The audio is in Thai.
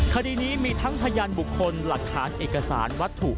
คดีนี้มีทั้งพยานบุคคลหลักฐานเอกสารวัตถุ